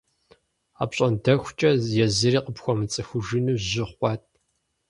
АпщӀондэхукӀэ езыри къыпхуэмыцӀыхужыну жьы хъуат.